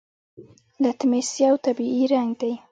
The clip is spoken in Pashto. لتمس یو طبیعي رنګ دی.